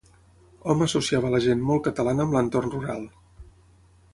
Hom associava la gent "molt catalana" amb l'entorn rural.